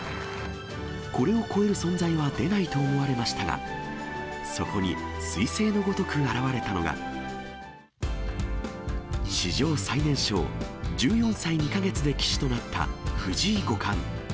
これを超える存在は出ないと思われましたが、そこにすい星のごとく現れたのが、史上最年少、１４歳２か月で棋士となった藤井五冠。